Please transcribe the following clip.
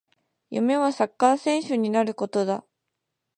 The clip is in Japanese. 夢はサッカー選手になることだ